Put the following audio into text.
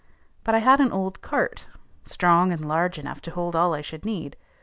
But I had an old cart, strong and large enough to hold all I should need.